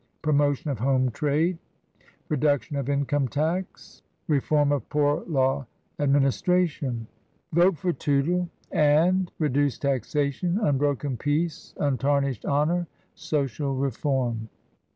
Promotion of Home Trade. Reduction of Income Tax. [tion. Reform of Poor Law Administra VOTE FOR TOOTLE AND Reduced Taxation, Unbroken Peace, Untarnished Honour, Social Reform.